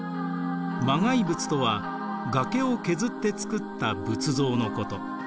磨崖仏とは崖を削って作った仏像のこと。